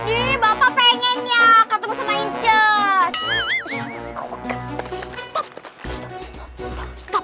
ini bapak pengen ya ketemu sama incest